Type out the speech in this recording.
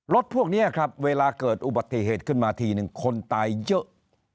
พวกนี้ครับเวลาเกิดอุบัติเหตุขึ้นมาทีนึงคนตายเยอะ